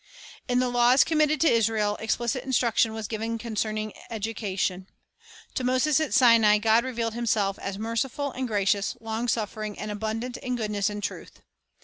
3 In the laws committed to Israel, explicit instruction was given concerning education. To Moses at Sinai God had revealed Himself as "merciful and gracious, long suffering, and abundant in goodness and truth."